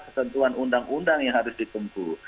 ketentuan undang undang yang harus ditempu